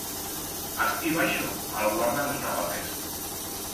Astí baixo alguardan los navaters.